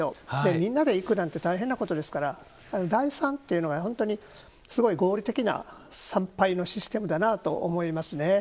みんなで行くなんて大変なことですから代参というのが本当にすごい合理的な参拝のシステムだなと思いますね。